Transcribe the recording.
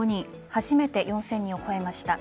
初めて４０００人を超えました。